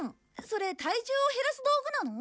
それ体重を減らす道具なの？